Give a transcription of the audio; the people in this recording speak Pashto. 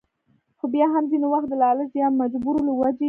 خو بيا هم ځينې وخت د لالچ يا مجبورو له وجې